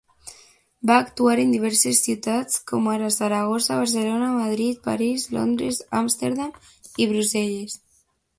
Va actuar en diverses ciutats com ara Saragossa, Barcelona, Madrid, París, Londres, Amsterdam i Brussel·les.